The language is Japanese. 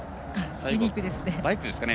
バイクですかね。